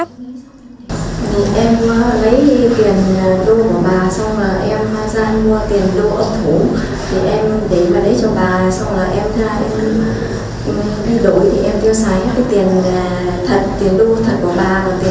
lấy tiền đô của bà xong là em ra mua tiền đô ẩn thủ để em để vào đấy cho bà xong là em ra đổi thì em tiêu sái tiền đô thật của bà và tiền ẩn thủ để em để vào đấy cho bà